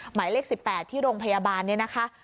หมายเลข๑๘ที่โรงพยาบาลเนี่ยนะคะ